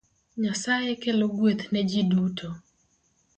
Nyasaye kelo gweth ne ji duto